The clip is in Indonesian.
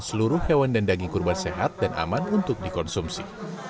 seluruh hewan dan daging kurban sehat dan aman untuk dikonsumsi